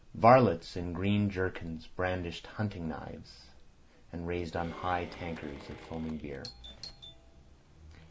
Varlets in green jerkins brandished hunting knives and raised on high tankards of foaming beer.